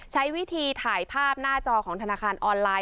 ใช้วิธีถ่ายภาพหน้าจอของธนาคารออนไลน